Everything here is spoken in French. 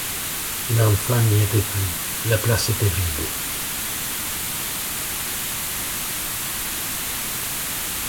L'enfant n'y était plus, la place était vide.